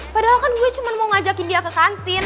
padahal kan gue cuma mau ngajakin dia ke kantin